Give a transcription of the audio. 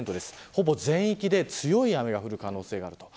ほぼ全域で強い雨が降る可能性がある。